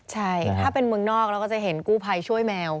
ใช่ถ้าเป็นเมืองนอกเราก็จะเห็นกู้ภัยช่วยแมว